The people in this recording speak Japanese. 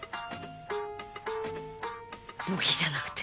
ボケじゃなくて？